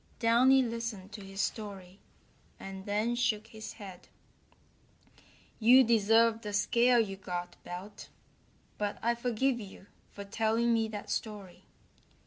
Downy listened to his story, and then shook his head: "You deserve the scare you got, Belt, but I forgive you for telling me that story.